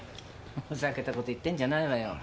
ふざけた事言ってんじゃないわよ。